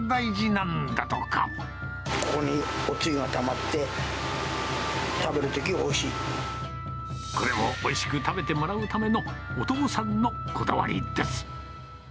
ここにおつゆがたまって、これもおいしく食べてもらうための、お父さんのこだわりです。